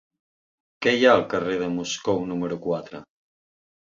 Què hi ha al carrer de Moscou número quatre?